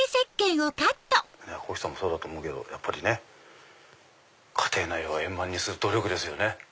こひさんもそうだと思うけど家庭内を円満にする努力ですよね。